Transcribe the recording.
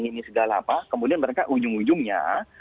ini segala apa kemudian mereka ujung ujungnya